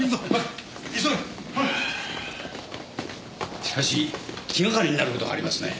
しかし気がかりになる事がありますね。